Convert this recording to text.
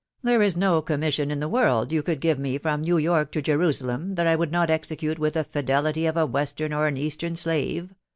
" There is bo commission in the world you could give me, from New York to Jerusalem, that I would not execute with the fidelity of a western or an eastern slave.